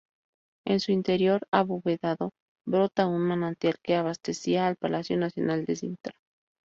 En su interior abovedado brota un manantial que abastecía al Palacio Nacional de Sintra.